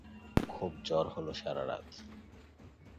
খুব ঝড় হল সারা রাত!